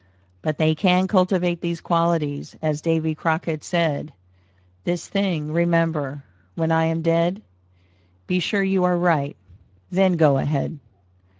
But they can cultivate these qualities, as Davy Crockett said: "This thing remember, when I am dead: Be sure you are right, then go ahead."